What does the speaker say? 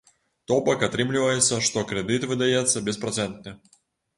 То бок, атрымліваецца, што крэдыт выдаецца беспрацэнтны.